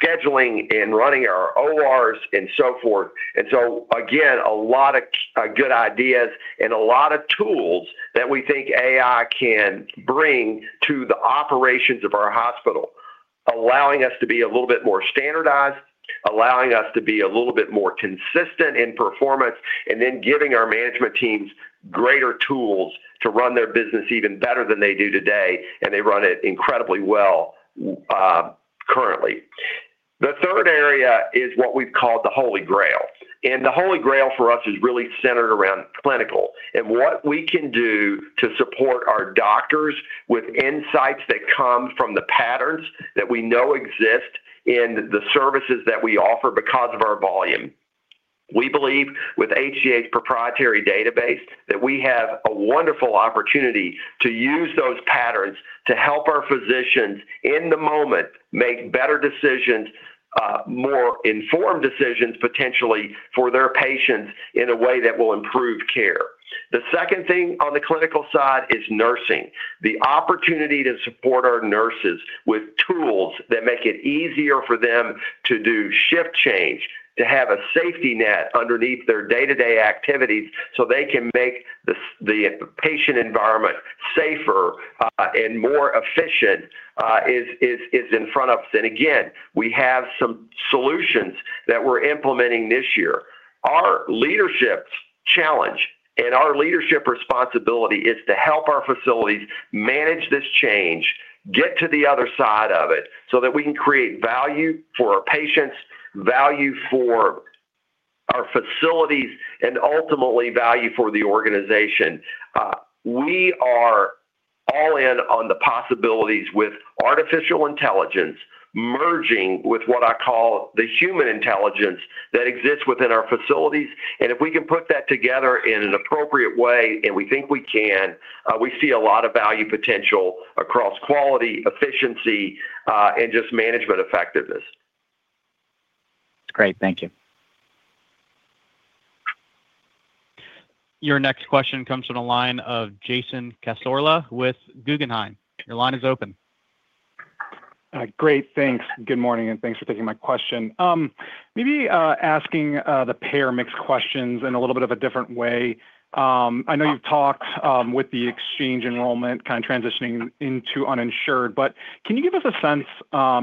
scheduling and running our ORs, and so forth. And so again, a lot of good ideas and a lot of tools that we think AI can bring to the operations of our hospital, allowing us to be a little bit more standardized, allowing us to be a little bit more consistent in performance, and then giving our management teams greater tools to run their business even better than they do today, and they run it incredibly well, currently.... what we've called the Holy Grail. And the Holy Grail for us is really centered around clinical, and what we can do to support our doctors with insights that come from the patterns that we know exist in the services that we offer because of our volume. We believe with HCA's proprietary database, that we have a wonderful opportunity to use those patterns to help our physicians, in the moment, make better decisions, more informed decisions, potentially for their patients in a way that will improve care. The second thing on the clinical side is nursing. The opportunity to support our nurses with tools that make it easier for them to do shift change, to have a safety net underneath their day-to-day activities, so they can make the patient environment safer, and more efficient, is in front of us. And again, we have some solutions that we're implementing this year. Our leadership's challenge and our leadership responsibility is to help our facilities manage this change, get to the other side of it, so that we can create value for our patients, value for our facilities, and ultimately, value for the organization. We are all in on the possibilities with artificial intelligence, merging with what I call the human intelligence that exists within our facilities. And if we can put that together in an appropriate way, and we think we can, we see a lot of value potential across quality, efficiency, and just management effectiveness. Great, thank you. Your next question comes from the line of Jason Cassorla with Guggenheim. Your line is open. Great, thanks. Good morning, and thanks for taking my question. Maybe asking the payer mix questions in a little bit of a different way. I know you've talked with the exchange enrollment kinda transitioning into uninsured, but can you give us a sense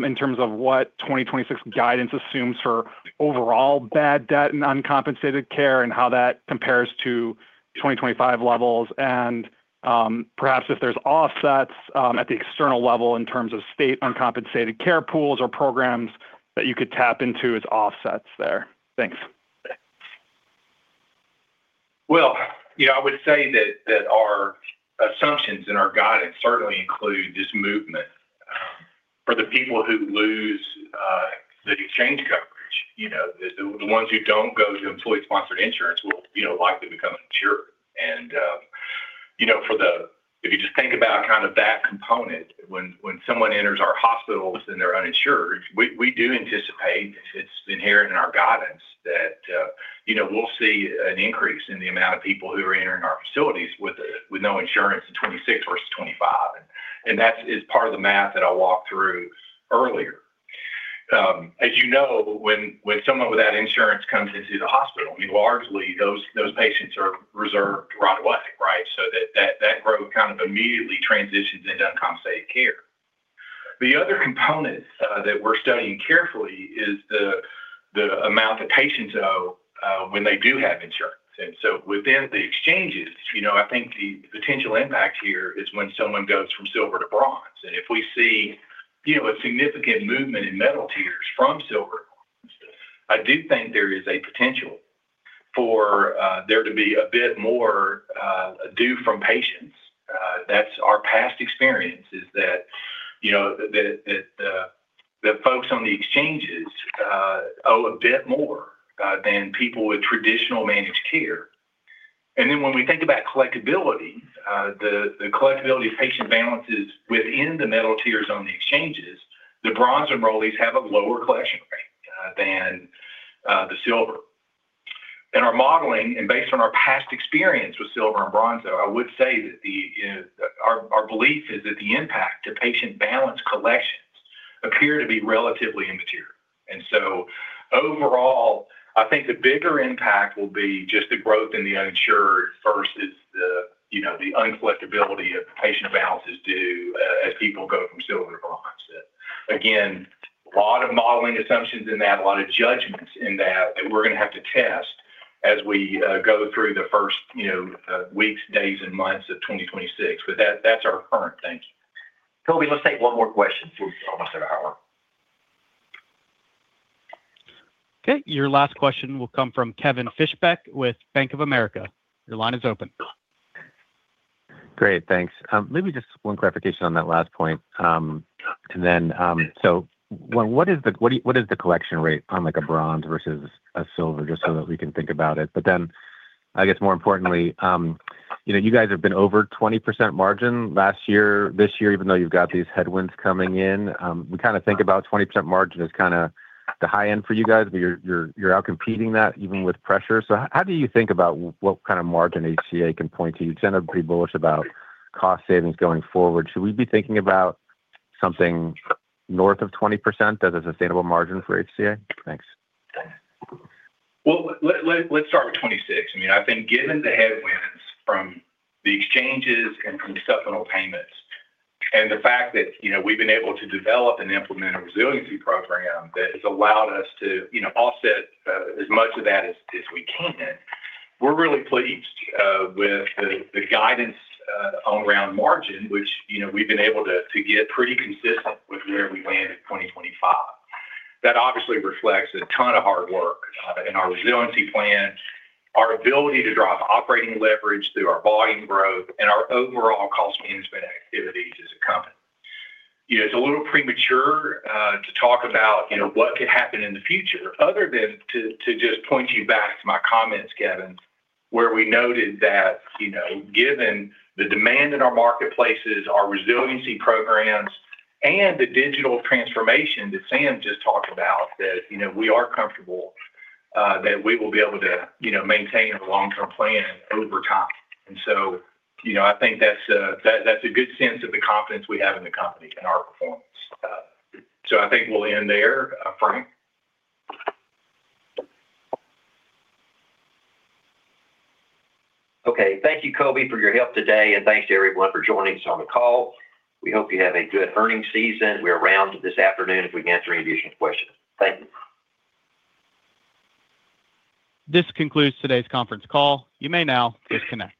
in terms of what 2026 guidance assumes for overall bad debt and uncompensated care, and how that compares to 2025 levels? Perhaps if there's offsets at the external level in terms of state uncompensated care pools or programs that you could tap into as offsets there. Thanks. Well, you know, I would say that, that our assumptions and our guidance certainly include this movement, for the people who lose the exchange coverage. You know, the ones who don't go to employer-sponsored insurance will, you know, likely become insured. And, you know, for the—If you just think about kind of that component, when someone enters our hospitals and they're uninsured, we do anticipate, it's inherent in our guidance that, you know, we'll see an increase in the amount of people who are entering our facilities with no insurance in 2026 versus 2025. And that is part of the math that I walked through earlier. As you know, when someone without insurance comes into the hospital, I mean, largely, those patients are reserved right away, right? So that growth kind of immediately transitions into uncompensated care. The other component that we're studying carefully is the amount that patients owe when they do have insurance. And so within the exchanges, you know, I think the potential impact here is when someone goes from silver to bronze. And if we see, you know, a significant movement in metal tiers from silver, I do think there is a potential for there to be a bit more due from patients. That's our past experience, is that, you know, that the folks on the exchanges owe a bit more than people with traditional managed care. And then when we think about collectibility, the collectibility of patient balances within the metal tiers on the exchanges, the bronze enrollees have a lower collection rate than the silver. In our modeling and based on our past experience with silver and bronze, though, I would say that our belief is that the impact to patient balance collections appear to be relatively immaterial. And so overall, I think the bigger impact will be just the growth in the uninsured versus the, you know, the uncollectibility of patient balances due as people go from silver to bronze. Again, a lot of modeling assumptions in that, a lot of judgments in that, that we're gonna have to test as we go through the first, you know, weeks, days, and months of 2026. But that's our current thinking. Toby, let's take one more question. We're almost at an hour. Okay, your last question will come from Kevin Fischbeck with Bank of America. Your line is open. Great, thanks. Maybe just one clarification on that last point, and then, so what is the collection rate on, like, a bronze versus a silver? Just so that we can think about it. But then, I guess more importantly, you know, you guys have been over 20% margin last year, this year, even though you've got these headwinds coming in. We kinda think about 20% margin as kinda the high end for you guys, but you're out-competing that even with pressure. So how do you think about what kind of margin HCA can point to? You've generally been bullish about cost savings going forward. Should we be thinking about something north of 20% as a sustainable margin for HCA? Thanks. Well, let’s start with 26. I mean, I think given the headwinds from the exchanges and from supplemental payments, and the fact that, you know, we’ve been able to develop and implement a resiliency program that has allowed us to, you know, offset as much of that as we can, we’re really pleased with the guidance around margin, which, you know, we’ve been able to get pretty consistent with where we landed in 2025. That obviously reflects a ton of hard work in our resiliency plan, our ability to drive operating leverage through our volume growth, and our overall cost management activities as a company. You know, it's a little premature to talk about, you know, what could happen in the future, other than to just point you back to my comments, Kevin, where we noted that, you know, given the demand in our marketplaces, our resiliency programs, and the digital transformation that Sam just talked about, that, you know, we are comfortable that we will be able to, you know, maintain a long-term plan over time. And so, you know, I think that's a good sense of the confidence we have in the company and our performance. So I think we'll end there, Frank. Okay. Thank you, Toby, for your help today, and thanks to everyone for joining us on the call. We hope you have a good earnings season. We're around this afternoon if we can answer any additional questions. Thank you. This concludes today's conference call. You may now disconnect.